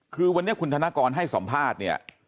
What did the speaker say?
คือวันนี้คุณธนกรให้สัมภาษณ์เนี่ย